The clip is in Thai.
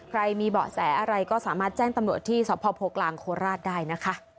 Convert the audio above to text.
ใครมีเบาะแสอะไรก็สามารถแจ้งตำรวจที่สพโพกลางโคราชได้นะคะ